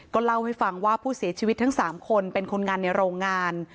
เล่าให้ฟังว่าผู้เสียชีวิตทั้ง๓คนเป็นคนงานในโรงงาน